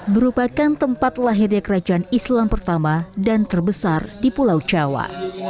merupakan tempat lahirnya kerajaan islam pertama dan terbesar di pulau jawa